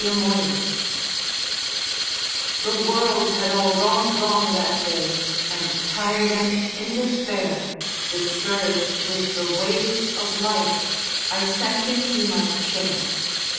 MY COMFORTER The world had all gone wrong that day And tired and in despair, Discouraged with the ways of life, I sank into my chair.